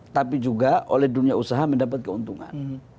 tapi juga oleh dunia usaha mendapat keuntungan